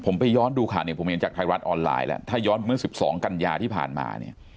ผมไปย้อนดูข่าวเนี่ยผมเห็นจากไทยรัฐออนไลน์แล้วถ้าย้อนเมื่อ๑๒กันยาที่ผ่านมาเนี่ย